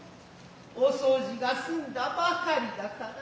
お掃除が済んだばかりだから。